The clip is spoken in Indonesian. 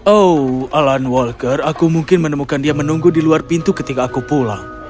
oh alan walker aku mungkin menemukan dia menunggu di luar pintu ketika aku pulang